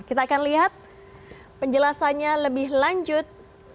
kita akan lihat penjelasannya lebih lanjut